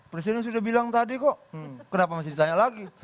presiden sudah bilang tadi kok kenapa masih ditanya lagi